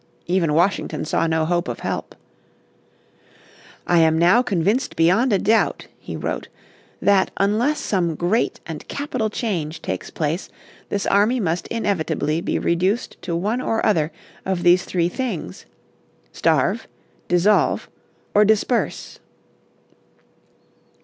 Even Washington saw no hope of help. "I am now convinced beyond a doubt," he wrote, "that unless some great and capital change takes place this army must inevitably be reduced to one or other of these three things: starve, dissolve, or disperse."